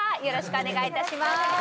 よろしくお願いします。